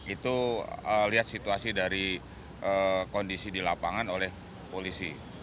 itu lihat situasi dari kondisi di lapangan oleh polisi